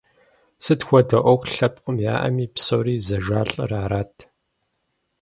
Сыт хуэдэ ӏуэху лъэпкъым яӏэми псори зэжалӏэр арат.